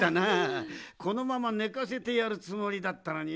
このままねかせてやるつもりだったのによ。